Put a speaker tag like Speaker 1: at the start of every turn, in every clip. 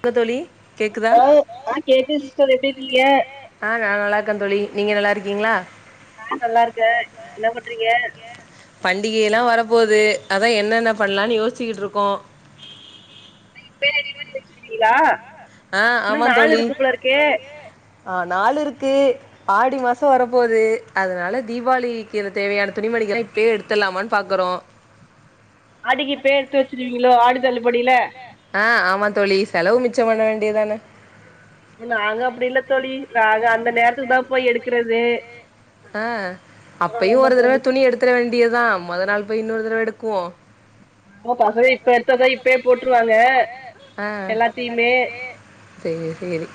Speaker 1: என்ன தோழி
Speaker 2: ஆ ஆ கேக்குது சிஸ்டர் எப்டி இருக்கிங்க
Speaker 1: நீங்க நல்லா இருக்கீங்களா நல்லா இருக்கன் என்ன பண்றீங்க பண்டிகைலா வரப்போது அதா என்னென்ன பண்ணலான்னு யோசிச்சிட்டு இருக்கோ
Speaker 2: ரெடிமேட் வச்சுருவீங்களா இன்னு நாலு இருக்கு போல இருக்கே
Speaker 1: ஆ நாலு இருக்கு ஆடி மாசோ வரப்போகுது அதனால தீபாவளிக்கு தேவையான துணி மணிகள் எல்லாம் இப்பயே எடுத்துலாமான்னு பாக்குறோம்
Speaker 2: ஆடிக்கு இப்பே டுத்து வச்சிருவங்களோ ஆடி தள்ளுபடியில
Speaker 1: ஆ ஆமா தோலி செலவு மிச்சம் பண்ண வேண்டியதுதானே
Speaker 2: நாங்க அப்டி இல்ல தோலி
Speaker 1: ஆ அது அந்த நேரத்துக்குதா போய் எடுக்கிறதே ஆ அப்பயு ஒரு தடவ துணி எடுத்துட வேண்டியதுதா மொத நாள் இப்போ இன்னொரு தடவ எடுக்குவோ இப்ப எடுத்ததை இப்பவே போட்டுருவாங்க ஆ எல்லாத்தையுமே சேரி சேரி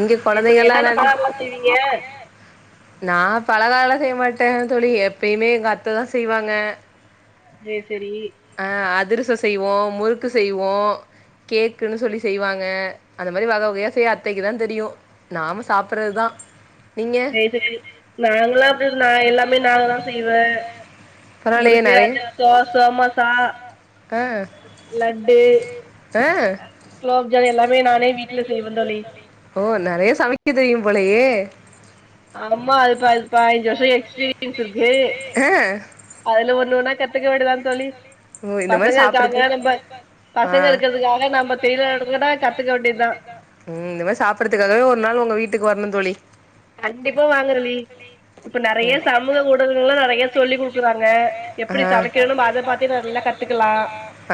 Speaker 1: இங்க கொழந்தைங்கலா
Speaker 2: செய்வீங்க
Speaker 1: கால செய்ய மாட்டன் தோழி எப்பயுமே எங்க அத்ததான் செய்வாங்க
Speaker 2: சேரி சேரி
Speaker 1: அதிரச செய்வோம் முறுக்கு செய்வோம் கேக்குன்னு சொல்லி செய்வாங்க அந்த மாரி வக வகயா செய்ய அத்தைக்கு தான் தெரியும் நாம சாப்ப பிரதா
Speaker 2: செய்துரு நாங்கலாம் அப்ப நா எல்லாமே நாங்கதான் செய்வன் முறுக்கு அதுரசம் சமோசா லட்டு குலோப்ஜான் எல்லாமே நானே வீட்ல செய்வேன் தோழி
Speaker 1: கும் போலையே
Speaker 2: அம்மா அதுப அது பாஞ்சி வருஷம் எக்ஸ்பீரியன்ஸ் இருக்கு அதுல ஒண்ணு ஒன்னா கத்துக்க வேண்டியதான் தோழி
Speaker 1: ஓ இந்த மாதிரி சாப்படுறது ஆஹ் உம் இந்த மாரி சாப்பறதுக்காகவே ஒரு நாள் உங்க வீட்டுக்கு வரணும் தோழி
Speaker 2: கண்டிப்பா வாங்குறலி இப்ப நெறயா சமூக ஊடகங்கள்லாம் நெறயா சொல்லி் கொடுக்குறாங்க எப்படி சமைக்கணும்னு நம்ப அத பாத்தே நா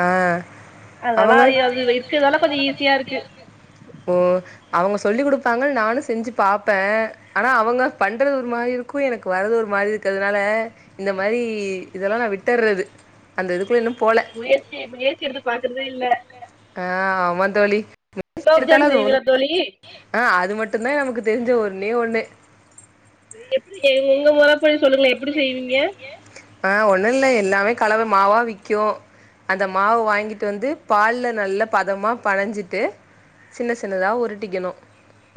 Speaker 1: ஆ அவங்க ஓ அவங்க சொல்லிக் கொடுப்பாங்க நானும் செஞ்சு பாப்பேன் ஆனா அவங்க பண்றது ஒரு மாதிரி இருக்கும் எனக்கு வரது ஒரு மாரி இருக்குதுனால இந்த மாரி இதெல்லா நான் விட்டறது அந்த இதுக்குள்ள இன்னும் போல ஆஹ ஆமா தோழி ஒ அது கெடுத்தாலும் அது ஒழுங்கா ஆஹ் அது மட்டும் தான் நமக்கு தெரிஞ்ச ஒரு ஒன்னே ஒன்னு ஆஹ் ஒண்ணும் இல்ல எல்லாமே கலவம் மாவ விக்கும் அந்த மாவ வாங்கிட்டு வந்து பால்ல நல்ல பதமா பனைஞ்சிட்டு சின்ன சின்னதா உருட்டிக்கணும்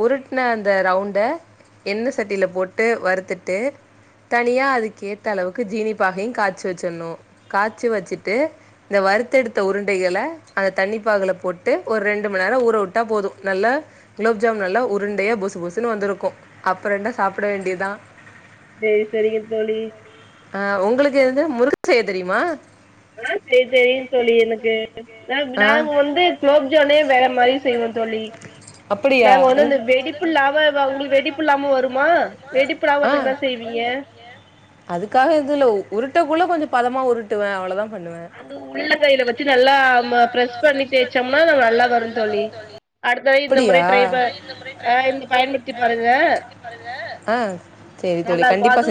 Speaker 1: உருட்ன அந்த ரவுண்ட எண்ண சட்டியில போட்டு வறுத்துட்டு தனியா அதுக்கு ஏத்த அளவுக்கு ஜீனிப்பாகையும் காய்சு வச்சிடணும் காச்சு வச்சிட்டு இந்த வருத்தெடுத்த உருண்டைகள அந்த தண்ணி பாகல போட்டு ஒரு ரெண்டு மணி நேரம் ஊற உட்டா போதும் நல்லா குலோப் ஜாம் நல்லா உருண்டையா பொசு பொசுன்னு வந்திருக்கும் அப்புறம் என்ன சாப்ட வேண்டியதுதான் ஆஹ் உங்களுக்கு என்னது முறுக் சேரி தெரியுமா
Speaker 2: ஆஹ் சேரி சேரிங்க தோழி எனக்கு நா நாங்க வந்து குளோப்ஜானே வேற மாரி செய்வோ தோழி நாங்க வந்து அந்த வெடிப்புல்லாம உங்களுக்கு வெடிப்புல்லாம வருமா வெடிப்புல்லாம வரதுக்கு என்ன செய்வீங்க
Speaker 1: பதமா உருட்டுவே அவ்ளோதாப்
Speaker 2: அது உள்ளங்கைல வச்சு நல்லா ப்ரஸ் பண்ணி தேச்சோம்னா நல்லா வரு தோழி அடுத் ட்ரை இந்த முறை ட்ரை ப பயன்படுத்தி பாருங்க நல்லா இருக்கு அது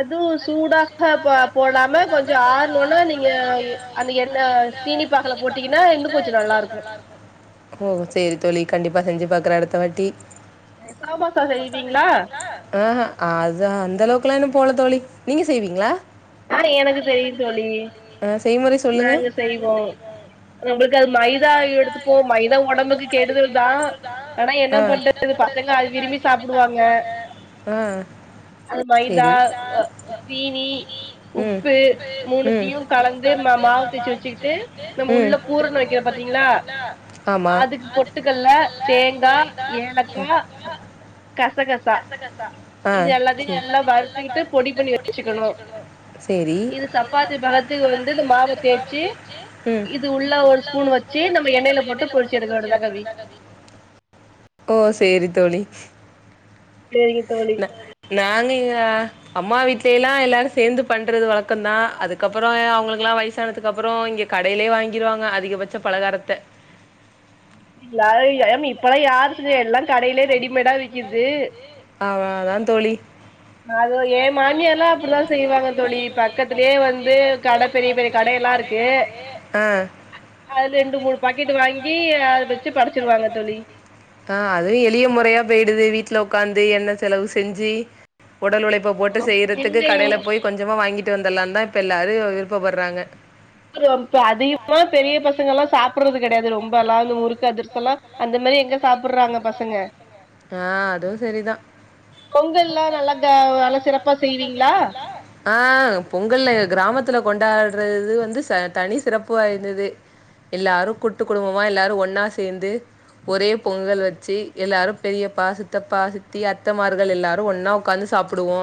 Speaker 2: அது சூடாக போ போடாம கொஞ் சோ ஆறுணோனா நீங்க இ அந்த எண்ண சீனி பாகுல போட்டீங்கன்னா இன்னு கொஞ்சோ நல்லா இருக்கு
Speaker 1: ஓ சேரி தோழி கண்டிப்பா செஞ்சு பாக்குறே அடுத்த வாட்டி ஆஹ அது அந்த அளவுக்கு குலானு போல தோழி நீங்க செய்வீங்களா
Speaker 2: ஆனா எனக்கு தெரியு தோழி நாங்க செய்வோ ஆ உங்களுக்கு அது மைதா எடுத்துப்போ மை
Speaker 1: அ அ சேரி உப்பு மூணுத்தியு கலந்து மா மாவு தேச்சு வச்சுக்கிட்டு நம்ம உள்ள பூரணு வக்கிறோ பாத்தீங்களா
Speaker 2: அதுக்கு பொட்டுக்கல்ல தேங்கா ஏலக்கா கசகசா இது எல்லாத்தையு நல்லா வறுத்தக்கிட்டு பொடி பண்ணி வச்சுக்கணு இது சப்பாத்தி பதத்துக்கு வந்து இந்த மாவ தேச்சி இது உள்ள ஒரு ஸ்பூன் வச்சு நம்ம எண்ணெல போட்டு பொரிச்
Speaker 1: ஓ சேரி தோழி நாங்க எங்க அம்மா வீட்டு இப்ப எல்லா எல்லாரு சேந்து பண்றது வழக்கம்தா அதுக்கப்பறோ அவுங்களுக்கெல்லா வயசானதுக்கு அப்பறோ இங்க கடைலேயே வாங்கிருவாங்க அதிகபட்ச பலகாரத்த களா ஏமி இப்பல்லா யாரு செஞ் எல்லா கடைலேயே ரெடிமேடா விக்குது
Speaker 2: அது ஏ மாமியால்லா அப்டிதா செய்வாங்க தோழி பக்கத்துலேயே வந்து கட பெரிய பெரிய கடையெல்லா இருக்கு அதுல ரெண்டு மூணு பாக்கெட் வாங்கி
Speaker 1: கீழ அத வச்சு படைச்சிருவாங்க தோழி ஸ்ல உக்காந்து எண்ண செலவு செஞ்சி உடல் உழைப்ப போட்டு செய்றதுக்கு கடைல போய் கொஞ்சமாக வாங்கிட் ட்டு வந்தல்லா தா இப்ப எல்லாரு விருப்பப்படுறாங்க
Speaker 2: ரொம்ப அதிகமா பெரிய பசங்களால்லா சாப்றது கெடையாது ரோம் அந்த முறுக்கு அதிரசெல்லா அந்த மேரி எங்க சாப்டுறாங்க பசங்க பொங்கல்லா நல்ல க நல்லா சிறப்பா செய்வீங்களா
Speaker 1: கொண்டாடுறது வந்து ச தனி சிறப்பு வாய்ந்தது எல்லாரு கூட்டு குடும்பமா எல்லாரு ஒன்னா சேந்து ஒரே பொங்கல் வச்சு எல்லாரு பெரியப்பா சித்தப்பா சித்தி அத்தமார்கள் எல்லாரு ஒன்னா உக்காந்து சாப்டுவோ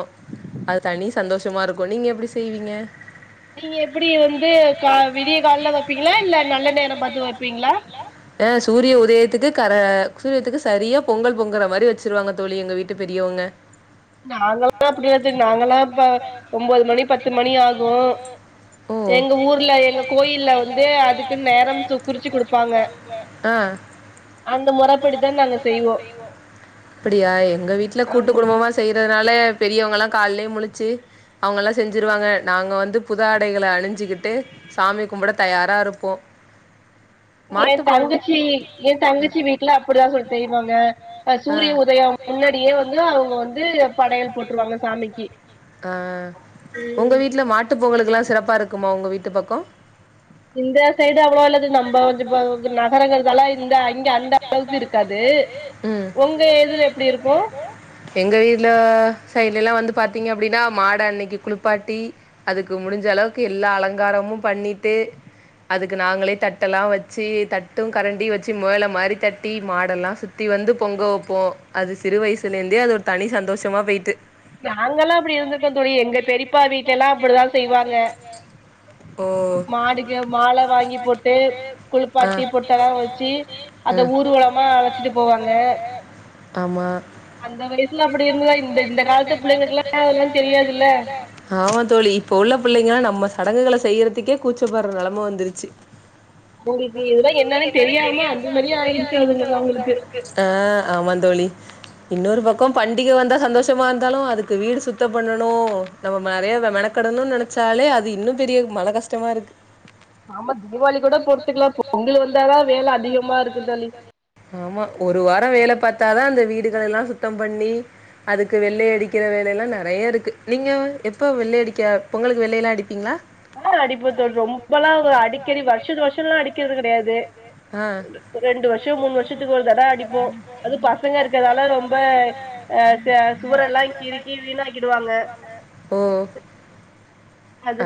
Speaker 1: அது தனி சந்தோஷமா இருக்கு நீங்க எப்டி செய்வீங்க
Speaker 2: நீங்க எப்டி வந்து கா விடிய காலையில வப்பீங்களா இல்ல நல்ல நேரோ பாத்து வப்பீங்களா
Speaker 1: சூரிய உதயத்துக்கு கர சூரியத்துக்கு சரியா பொங்கல் பொங்குற மாரி வச்சிருவாங்க தோழி எங்க வீட்டு பெரியவங்க.
Speaker 2: நாங்களா அப்டி வெச்சு நாங்களா இப்ப ஒன்பது மணி பத்து மணி ஆகு. எங்க ஊர்ல எங்க கோயில்ல வந்து அதுக்குன்னு நேரம் குறிச்சு குடுப்பாங்க.
Speaker 1: ஆஹ் அப்டியா எங்க வீட்டுல கூட்டு குடும்பமா செய் செய்யறதுனால பெரியவங்கல்லா காலையிலயே முழிச்சு அவங்க எல்லா செஞ்சிருவாங்க நாங்க வந்து புது ஆடைகளை அணிஞ்சுக்கிட்டு சாமி கும்பிட தயாரா இருப்போ.
Speaker 2: என் தங்கச்சி என் தங்கச்சி வீட்டுல அப்டிதா தோழி செய்வாங்க. அ சூரிய உதயம் முன்னாடியே வந்து அவங்க வந்து படையல் போட்டுருவாங்க சாமிக்கு உஹம்.
Speaker 1: சிறப்பா இருக்குமா உங்க வீட்டு பக்கம்.
Speaker 2: இந்தா சைடு் அவ்வளோ இல்லது நம்ப கொஞ்ச இப்ப நகரங்கள்தலாம் இந்த அங்க அந்த அளவுக்கு இருக்காது உங்க எதுல எப்டி இருக்கு.
Speaker 1: சைடுல எல்லா வந்து பாத்தீங்க அப்டின்னா மாட அன்னைக்கு குளிப்பாட்டி அதுக்கு முடிஞ்ச அளவுக்கு எல்லா அலங்காரமும் பண்ணிட்டு அதுக்கு நாங்களே தட்டெலா வச்சு. ச்சு தட்டு கரண்டி வச்சு மொதல மாதிரி தட்டி மாடெல்லாம் சுத்தி வந்து பொங்க வைப்போ அது சிறு வயசுல இருந்தே அது ஒரு தனி சந்தோஷமா போயிட்டு.
Speaker 2: நாங்கல்லா அப்படி இருந்திருக்கோ தோழி எங்க பெரியப்பா வீட்டுல எல்லா அப்டிதா செய்வாங்க. மாடுக்கு மாலை வாங்கி போட்டு குளிப். பாட்டி பொட்டெல்லா வச்சு அந்த ஊர்வலமா அழைச்சிட்டு போவாங்க அந்த வயசுல அப்டி இருந்துதா இந்த இந்த காலத்து புள்ளைங்கக்கெல்லா அதெல்லா தெரியாதுல்ல
Speaker 1: புள்ளைங்கலா நம்ம சடங்குகள செய்றதுக்கே கூச்சப்பட்ற நெலம வந்துருச்சு ஆ ஆமா தோழி இன்னொரு பக்கொ பண்டிக வந்தா சந்தோஷமாருந்தாலு அதுக்கு வீடு சுத்தம் பண்ணணு நம்ம நெறைய அத மெனக்கடணுனு நெனச்சாலே அது இன்னு பெரிய மன கஷ்டமாருக்கு
Speaker 2: ஆமா தீபாவளி கூட பொறுத்துக்கலா
Speaker 1: ஆமா ஒரு வார வேல பாத்தா அதா அந்த வீடுகள் எல்லா சுத்தொ பண்ணி அதுக்கு வெள்ளை அடிக்கிற வேலைலா நெறையருக்கு நீங்க எப்ப வெள்ளையடிக்க பொங்கலுக்கு வெள்ளைலா அடிப்பீங்களா
Speaker 2: ஆ அடிப்ப தோழி ரொம்பெலா அடிக்கடி வருஷத்து வருஷலா அடி க்றது கெடையாது ரெண்டு வருஷோ மூணு வருஷத்துக்கு ஒரு தடவ அடிப்போ அது பசங்க இருக்கறதால ரொம்ப ஆ சே சுவரெல்லா கிறுக்கி வீணாக்கிடுவாங்க
Speaker 1: ஆ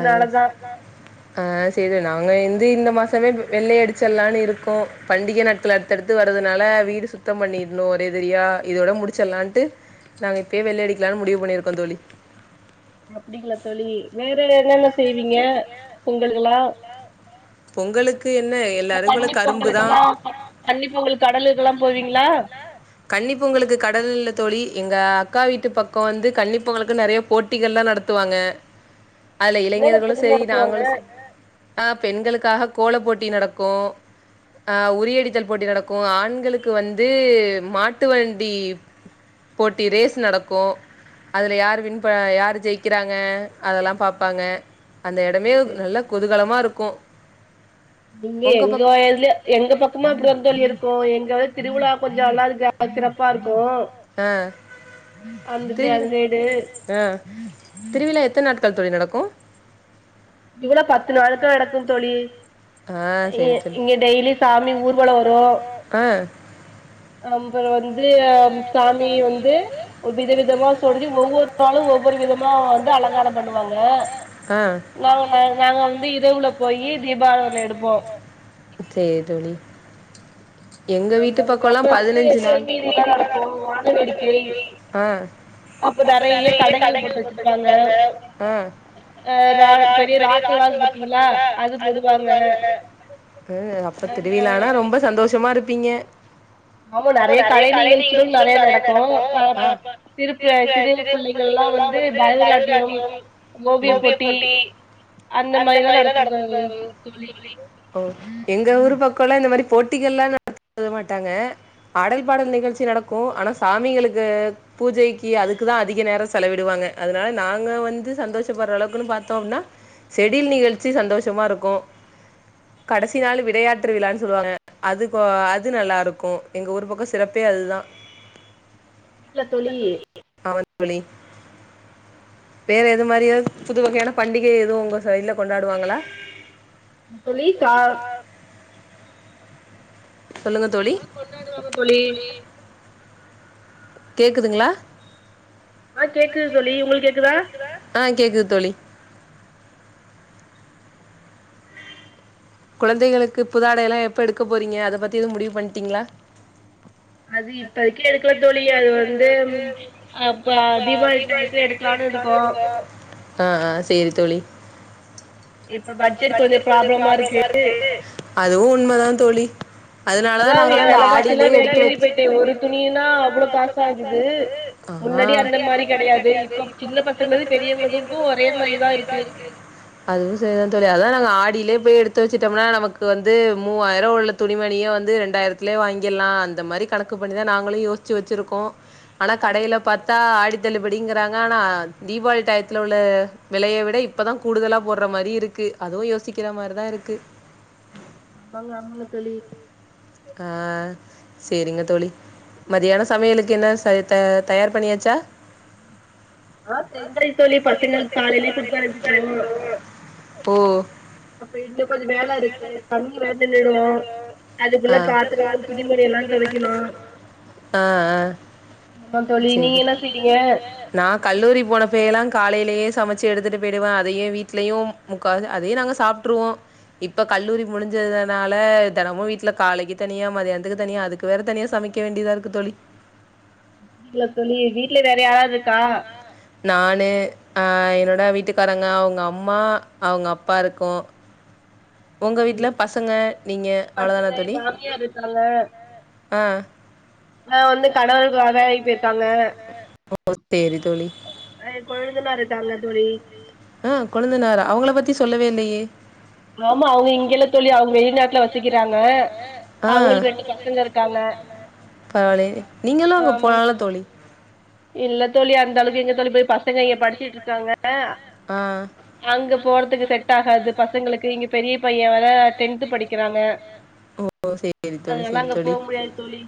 Speaker 1: ஆ சேரி நாங்க இந் து இந்த மாசமே வெள்ளயடிச்சல்லானு இருக்கோ பண்டிக நாட்கள் அடுத்தடுத்து வர்றதுனால வீடு சுத்தொ பண்ணிடணு ஒரேதரியா இதோட முடிச்சட்லான்ட்டு நாங்க இப்பயே வெள்ளையடிக்கலானு முடிவு பண்ணிருக்கோ தோழி
Speaker 2: அப்படிங்ளா தோழி வேற என்னென்ன செய்வீங்க பொங்களுக்குலா
Speaker 1: பொங்கலுக்கு
Speaker 2: இந்த கன்னி பொங்கலுக்குலா கன்னி பொங்கலுக்கு கடலுக்குலா போவீங்ளா
Speaker 1: தோழி எங்க அக்கா வீட்டு பக்கொ வந்து கன்னிப்பொங்களுக்கு நறைய போட்டிகள்லா நடத்துவாங்க அதுல இளைஞர்களு சரி நாங்களு ச ஆ களுக்காக கோல போட்டி நடக்கு ஆ உரியடித்தல் போட்டி நடக்கு ஆண்களுக்கு வந்து மாட்டு வண்டி போட்டி ரேஸ் நடக்கு அதுல யார் வின் பன் யார் ஜெயிக்குறாங்க அதெல்லா பாப்பாங்க அந்த எடமே நல்ல கொதுகலமா இருக்கு [unintelligible]
Speaker 2: ங்க எங்கய இதுல எங்க பக்கமா [unintelligible] இருக்கு எங்க வ திருவிழா கொஞ்சோ [unintelligible] நல்லா சிறப்பாருக்கு அந்த அந்த இடு
Speaker 1: தோழி நடக்கு
Speaker 2: [unintelligible] பத்து நாளுக்கா நடக்கு தோழி இ இங்க டெய்லி சாமி ஊர்வல வரு அங்க வந்து சாமி வந்து ஒரு வித விதமா சொல்லி ஒவ்வொரு நாளும் ஒவ்வொரு விதமா வந்து அலங்கார பண்ணுவாங்க நா நாங்க வந்து இரவுல போயி
Speaker 1: சேரி தோழி எங்க வீட்டு பக்கலா பதினஞ்சு ஆ ஆ ஆ அப்ப திருவிழானா ரொம்ப சந்தோஷமாருப்பீங்க
Speaker 2: ஆமா நறைய கலை நிகழ்ச்சிகளு நறைய நடக்கு ப ப சிறு சிறு பிள்ளைகலாம் வந்து பரதநாட்டியம் ஓவிய போட்டி அந்த மாரில்லாம் நடக்கு
Speaker 1: ஓ எங்க ஊரு பக்கலா இந்த மாரி போட்டிகள்லா நடத்த மாட்டாங்க ஆடல் பாடல் நிகழ்ச்சி நடக்கு, ஆனா சாமிகளுக்கு பூஜைக்கு அதுக்குதா அதிக நேர செலவிடுவாங்க அதனால நாங்க வந்து சந்தோஷப்படுற அளவுக்குனு பாத்தோ அப்டினா செடில் நிகழ்ச்சி சந்தோஷ மா இருக்கு கடைசி நாள் விடையாற்று விழான்னு சொல்லுவாங்க அது அது நல்லா இருக்கு எங்க ஊர் பக்க சிறப்பே அதுதா
Speaker 2: வீட்ல தோழி
Speaker 1: தோழி வேற எது மாரியாவது புதுவகையான பண்டிகை ஏதுவு உங்க சைடுல கொண்டாடுவாங்ளா
Speaker 2: தோழி கா ஆ கொண்டாடுவாங்க தோழி
Speaker 1: கேக்குதுங்களா
Speaker 2: ஆ கேக்குது தோழி உங்களுக்கு கேக்குதா
Speaker 1: கேக்குது தோழி குழந்தைகளுக்கு புதாடை எல்லா எப்ப எடுக்க போறிங்க அத பத்தி எது முடிவு பண்ட்டிங்ளா
Speaker 2: அது இப்பதைக்கு எடுக்கல தோழி அது வந்து அப்ப தீபாவளி டயத்துல எடுக்கலானு இருக்கோ
Speaker 1: ஆ ஆ சேரி தோழி
Speaker 2: இப்ப பட்ஜெட் கொஞ்ச ப்ராப்ளமா இருக்கு
Speaker 1: ருக்கு அதுவு உண்மதா தோழி அதனாலதா நாங்களா அந்த ஆடிலயே எடுத்து வெச் ஆ ஹ அதுவு சரிதா தோழி அதா நாங்க ஆடிலயே அப்பயே எடு த்து வெச்சுட்டம்னா நமக்கு வந்து மூவாயிர உள்ள துணிமணிய வந்து ரெண்டாயிரத்துலயே வாங்கிர்லா அந்த மாரி கணக்கு பண்ணிதா நாங்களு யோசிச்சு வெச்சிருக்கோ ஆனா கடையில பாத்தா ஆடி தள்ளுபடிங்கறாங்க ஆனா தீபாவளி டயத்துல உள்ள விலைய விட இப்பதா கூடுதலா போடற மாரி இருக்கு அதுவு யோசிக்கிற மாரிதா இருக் கு
Speaker 2: ஆமாங்க ஆமாங்க தோழி
Speaker 1: ஆ சேரிங்க தோழி, மதியான சமையலுக்கு என்ன செய் த தயார்
Speaker 2: ஆ செஞ்சுட்டே தோழி பசங்களுக்கு காலைலே குடுத்து அனுப்பிட்டோ
Speaker 1: அ, ஆ, அ சேரி நா கல்லூரி போனப்ப எல்லா காலைலயே சமைச்சு எடுத்துட்டு பேய்டுவ அதையே வீட்லயு முக்காவாசி அதையே நாங்க சாப்ட்ருவோ இப்ப கல்லூரி முடிஞ்சதுனால தெனமு வீட்ல காலைக்கு தனியா மதியானத்துக்கு தனியா அதுக்கு வேற தனியா சமைக்க வேண்டியதா இருக்கு தோழி நானு அ அ என்னோட வீட்டுக்காரங்க அவங்க அம்மா அவங்க அப்பா இருக்கோ ஒங்க வீட்ல பசங்க நீங்க அவ்ளதானா தோழி, ஆ
Speaker 2: நா வந்து கணவர்காக வேலைக் போயிருக்காங்க அ என் கொழுந்தனாரு க்காங்க தோழி
Speaker 1: அ கொழுந்தனாரா அவுங்கள பத்தி சொல்லவே இல்லயே ஆ பரவால்லயே நீங்களு அங்க போலால தோழி
Speaker 2: தோழி அந்த அளவுக்கு எங்க தோழி போய் பசங்க இங்க படிச்சிட்டுருக்காங்க அஹ் அங்க போறதுக்கு செட் ஆகாது பஸ் ங்களுக்கு இங்க பெரிய பையன் அதனால டென்த்து படிக்குறாங்க அதுனால அங்க போக முடியாது தோழி